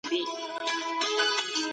که په کور کي نظم وي، درس نه ګډوډ کېږي.